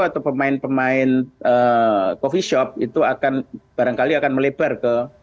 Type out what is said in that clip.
atau pemain pemain coffee shop itu akan barangkali akan melebar ke